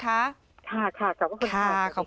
ค่ะที่จะขอบคุณนะจะออกมากเข้าไป